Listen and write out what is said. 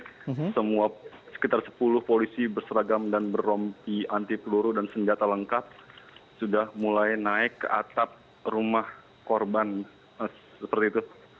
semua sekitar sepuluh polisi berseragam dan berompi anti peluru dan senjata lengkap sudah mulai naik ke atap rumah korban seperti itu